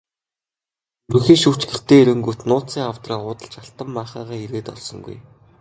Ерөнхий шүүгч гэртээ ирэнгүүт нууцын авдраа уудалж алтан маахайгаа эрээд олсонгүй.